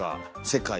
世界？